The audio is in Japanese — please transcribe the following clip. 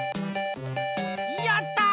やった！